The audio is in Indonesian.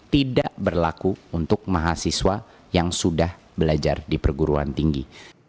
tidak berlaku untuk mahasiswa yang sudah belajar di perguruan tinggi